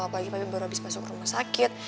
apalagi papi baru habis masuk rumah sakit